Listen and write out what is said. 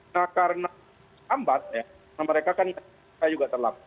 nah karena lambat ya mereka kan juga terlambat